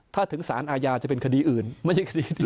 ถ้าถึงสารอาญาจะเป็นคดีอื่นไม่ใช่คดีอื่น